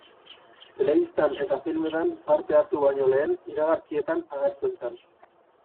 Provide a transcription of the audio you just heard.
Telebistan eta filmetan parte hartu baino lehen, iragarkietan agertzen zen.